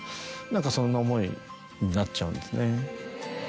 そんな思いになっちゃうんですね。